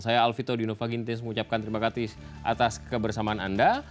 saya alvito dinova gintis mengucapkan terima kasih atas kebersamaan anda